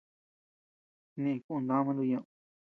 Snï kun dama nuku ñeʼed.